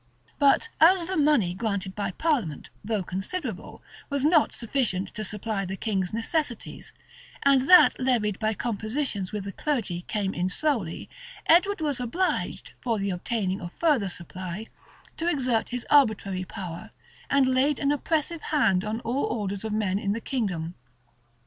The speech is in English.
But as the money granted by parliament, though considerable, was not sufficient to supply the king's necessities, and that levied by compositions with the clergy came in slowly, Edward was obliged, for the obtaining of further supply, to exert his arbitrary power, and to lay an oppressive hand on all orders of men in the kingdom.